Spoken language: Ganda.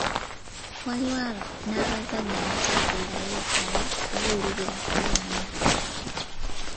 Waliwo n'abazadde abatafiirayo ddala kubuulirira ku baana.